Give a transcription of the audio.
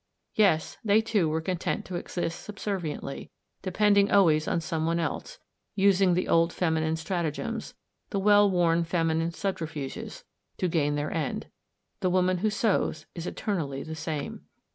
Yes, they too were content to exist subserviently, depending always on someone else, using the old feminine strat agems, the well worn feminine subterfuges, to gain their end. The woman who sews is eternally the same.